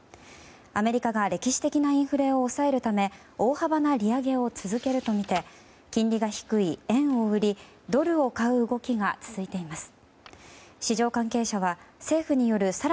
アメリカが歴史的なインフレを抑えるため大幅な利上げを続けるとみて金利が低い円を売りドルを買う動きが続いています。